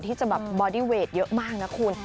ที่จะแบบบอดี้เวทเยอะมากนะคุณ